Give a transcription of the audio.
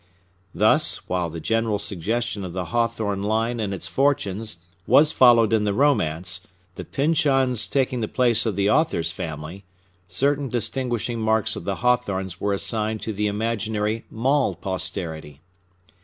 Thus, while the general suggestion of the Hawthorne line and its fortunes was followed in the romance, the Pyncheons taking the place of the author's family, certain distinguishing marks of the Hawthornes were assigned to the imaginary Maule posterity.